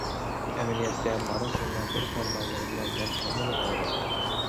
ئەمەلىيەتتە مانا سىلىنىڭ بىر پەرمانلىرى بىلەن مەن ھەممىدىن ئايرىلدىم.